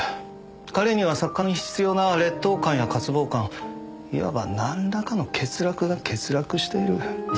彼には作家に必要な劣等感や渇望感いわばなんらかの欠落が欠落している。